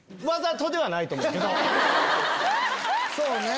そうね。